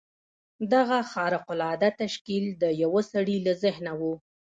دغه خارق العاده تشکیل د یوه سړي له ذهنه و